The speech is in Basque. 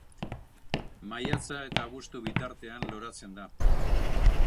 Maiatza eta abuztu bitartean loratzen da.